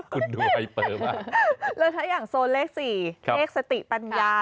คุณดูใบเปอร์มาเลยถ้าอย่างโซนเลข๔เลขสติปัญญา